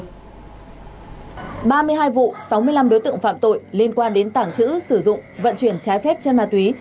ba mươi hai vụ sáu mươi năm đối tượng phạm tội liên quan đến tảng chữ sử dụng vận chuyển trái phép chân ma túy